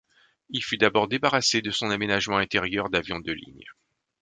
Il fut d'abord débarrassé de son aménagement intérieur d'avion de ligne.